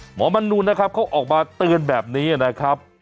หมอมนูนนะครับเขาออกมาเตือนแบบนี้นะครับ